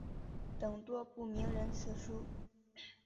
等多部名人辞书。